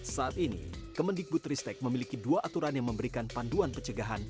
saat ini kemendikbud ristek memiliki dua aturan yang memberikan panduan pencegahan